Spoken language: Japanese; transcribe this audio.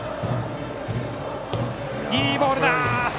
いいボールだ！